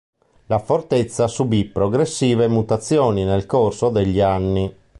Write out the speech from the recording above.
La fortezza subì progressive mutazioni nel corso degli anni.